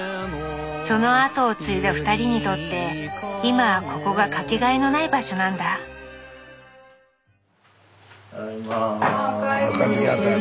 その後を継いだ２人にとって今はここが掛けがえのない場所なんだあおかえり。